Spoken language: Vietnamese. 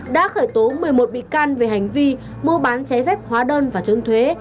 đã khởi tố một mươi một bị can về hành vi mua bán trái phép hóa đơn và trôn thuế